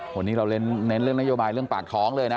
วันนี้เราเน้นเรื่องนโยบายเรื่องปากท้องเลยนะ